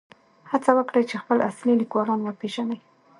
هڅه وکړئ چې خپل اصلي لیکوالان وپېژنئ.